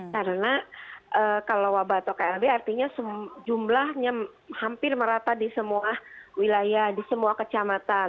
karena kalau wabah atau klb artinya jumlahnya hampir merata di semua wilayah di semua kecamatan